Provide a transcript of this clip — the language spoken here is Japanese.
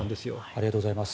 ありがとうございます。